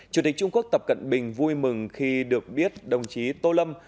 chủ tịch trung quốc tập cận bình vui mừng khi được biết đồng chí tô lâm